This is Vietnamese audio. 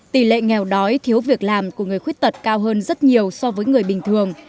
tỷ lệ nghèo đói thiếu việc làm của người khuyết tật cao hơn rất nhiều so với người bình thường